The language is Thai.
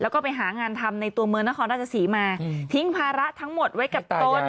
แล้วก็ไปหางานทำในตัวเมืองนครราชศรีมาทิ้งภาระทั้งหมดไว้กับตน